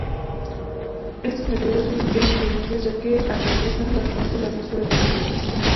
Estos meteoros suelen ser muy brillantes ya que atraviesan bastante la atmósfera terrestre.